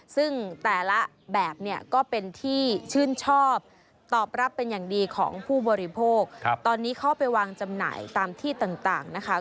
ซึ่งแต่ละแบบเนี่ยก็เป็นที่ชื่นชอบตอบรับเป็นอย่างดีของผู้บริโภคตอนนี้เข้าไปวางจำหน่ายตามที่ต่างนะคะ